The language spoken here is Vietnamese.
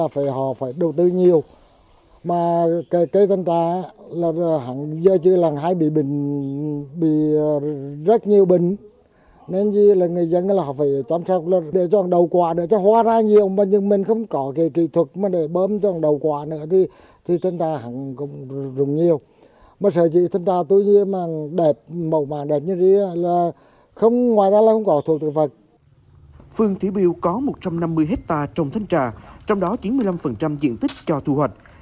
phương thủy biêu có một trăm năm mươi hectare trồng thanh trà trong đó chín mươi năm diện tích cho thu hoạch